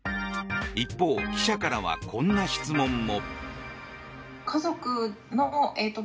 一方、記者からはこんな質問も。